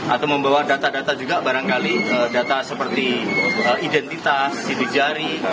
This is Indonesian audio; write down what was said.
atau membawa data data juga barangkali data seperti identitas sidik jari